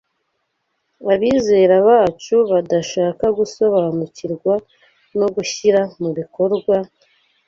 abizera bacu badashaka gusobanukirwa no gushyira mu bikorwa,